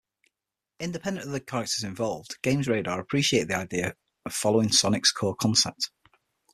Independent of the characters involved, GamesRadar appreciated the idea of following Sonic's core concept.